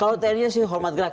kalau tni nya sih hormat gerak